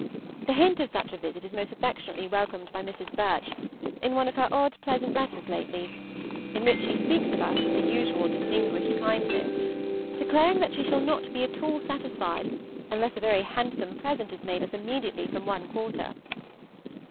The hint of such a visit is most affectionately welcomed by Mrs. Birch, in one of her odd pleasant letters lately, in which she speaks of us with the usual distinguished kindness, declaring that she shall not be at all satisfied unless a very handsome present is made us immediately from one quarter.